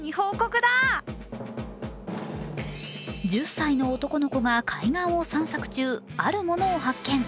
１０歳の男の子が海岸を散策中あるものを発見。